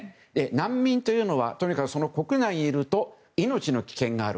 難民というのはとにかく、その国内にいると命の危険がある。